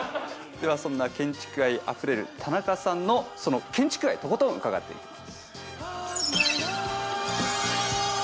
ではそんな建築愛あふれる田中さんのその建築愛とことん伺っていきます。